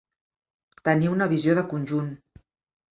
Tenir una visió de conjunt.